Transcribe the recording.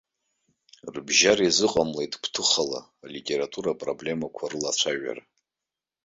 Рыбжьара изыҟамлеит гәҭыхала алитература апроблемақәа рылацәажәара.